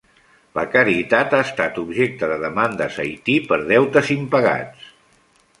La caritat ha estat objecte de demandes a Haití per deutes impagats.